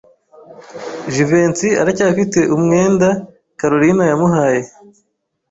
Jivency aracyafite umwenda Kalorina yamuhaye.